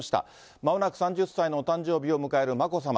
まもなく３０歳のお誕生日を迎える眞子さま。